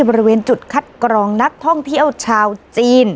บริเวณจุดคัดกรองนักท่องเที่ยวชาวจีน